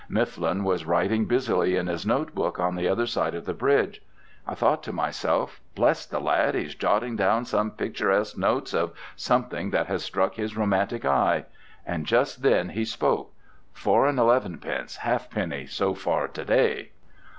Mifflin was writing busily in his notebook on the other side of the bridge. I thought to myself, "Bless the lad, he's jotting down some picturesque notes of something that has struck his romantic eye." And just then he spoke—"Four and eleven pence half penny so far to day!"